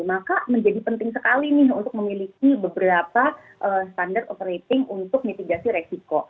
maka menjadi penting sekali nih untuk memiliki beberapa standar operating untuk mitigasi resiko